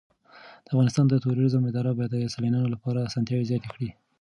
د افغانستان د توریزم اداره باید د سېلانیانو لپاره اسانتیاوې زیاتې کړي.